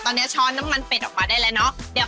ตอนนี้ช้อนน้ำมันเป็ดออกมาได้แล้วเนาะ